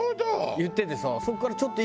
言っててさ。